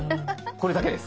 これだけです。